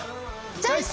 チョイス！